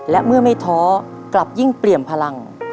และเมื่อไม่ท้อกลับยิ่งเปลี่ยนพลัง